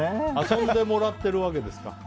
遊んでもらっているわけですか。